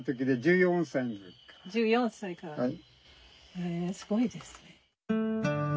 へえすごいですね。